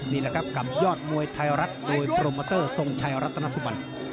นี่แหละครับกับยอดมวยไทยรัฐโดยโปรโมเตอร์ทรงชัยรัตนสุบัน